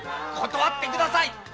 断ってください。